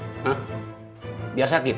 sebentar lagi gua pasti bebas dari sini